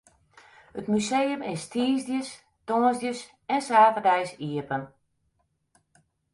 It museum is tiisdeis, tongersdeis en saterdeis iepen.